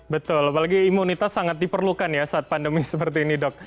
betul apalagi imunitas sangat diperlukan ya saat pandemi seperti ini dok